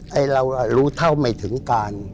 ให้เรารู้เท่าไม่ถึงการ